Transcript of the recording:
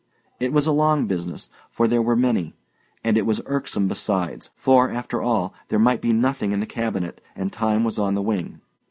It was a long business, for there were many; and it was irksome, besides; for, after all, there might be nothing in the cabinet, and time was on the wing.